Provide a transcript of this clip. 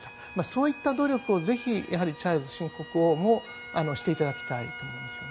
そういった努力をぜひチャールズ新国王もしていただきたいと思います。